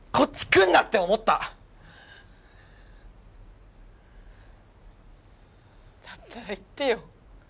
来んなって思っただったら言ってよ